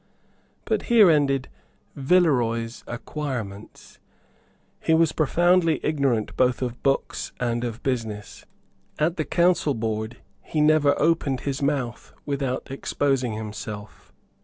But there ended Villeroy's acquirements. He was profoundly ignorant both of books and of business. At the Council Board he never opened his mouth without exposing himself.